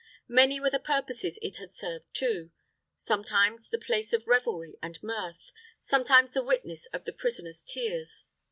Many were the purposes it had served too sometimes the place of revelry and mirth sometimes the witness of the prisoner's tears.